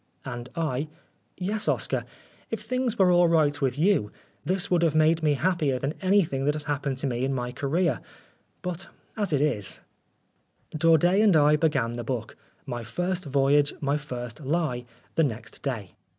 1 ' And I :" Yes, Oscar. If things were all right with you, this would have made me happier than any thing that has happened to me in my career. But as it is " Daudet and I began the book, My First Voyage. My First Lie, the next day.